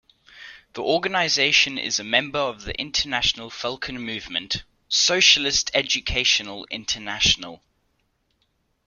The organisation is a member of the International Falcon Movement - Socialist Educational International.